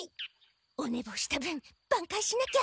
おねぼうした分ばんかいしなきゃ。